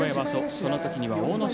その時には阿武咲